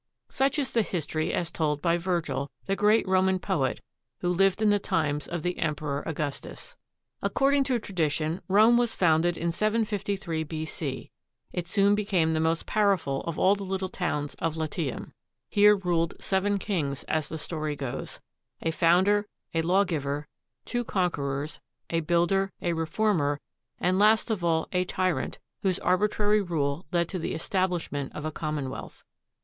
Such is the story as told by Virgil, the great Roman poet who lived in the times of the Emperor Augustus. According to tradition, Rome was founded in 753 B.C. It soon became the most powerful of all the little towns of Latium. Here ruled seven kings, as the story goes, a founder, a lawgiver, two conquerors, a builder, a reformer, and, last of all, a tyrant, whose arbitrary rule led to the establishment of a commonwealth.